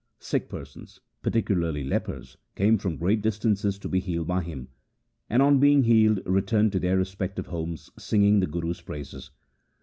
Sick persons, particularly lepers, came from great distances to be healed by him ; and on being healed returned to their respective homes singing the Guru's praises.